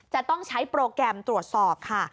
จะต้องใช้โปรแกรมตรวจสอบค่ะ